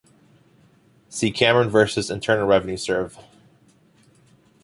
See Cameron versus Internal Revenue Serv.